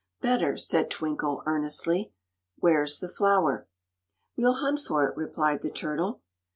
"Better," said Twinkle, earnestly. "Where's the flower?" "We'll hunt for it," replied the turtle.